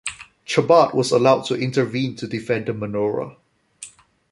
Chabad was allowed to intervene to defend the menorah.